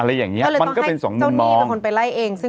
อะไรอย่างนี้มันก็เป็นสองมุมมองก็เลยต้องให้เจ้าหนี้เป็นคนไปไล่เอง